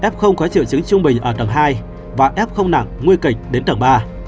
f có triệu chứng trung bình ở tầng hai và f nặng nguy kịch đến tầng ba